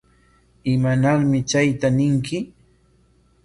¿Imanarmi chayta ñinki?